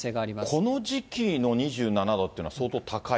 この時期の２７度っていうのは、相当高い？